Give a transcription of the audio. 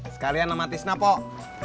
sekalian sama tisna pok